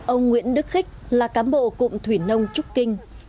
ông nguyễn đức khích là cán bộ cụm thủy nông trúc kinh